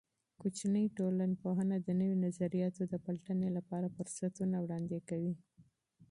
کوچنۍ ټولنپوهنه د نوي نظریاتو د پلټنې لپاره فرصتونه وړاندې کوي.